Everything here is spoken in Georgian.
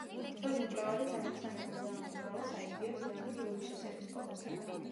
ზოგი მკვლევარი ზემოხსენებულ ლეონტი მროველს აიგივებს ლეონტი რუისის ეპისკოპოსთან.